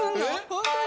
ホントに？